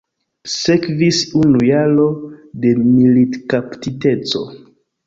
Sekvis unu jaro de militkaptiteco.